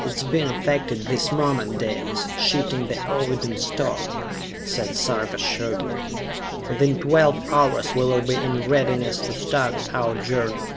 "It is being affected this moment, Dalis, shifting the Ovidum store!" said Sarka shortly. "Within twelve hours we will be in readiness to start our journey!"